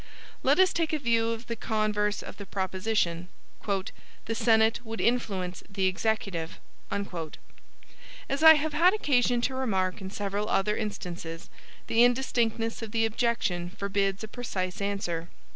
Let us take a view of the converse of the proposition: "the Senate would influence the Executive." As I have had occasion to remark in several other instances, the indistinctness of the objection forbids a precise answer.